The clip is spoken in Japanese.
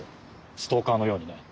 ストーカーのようにね。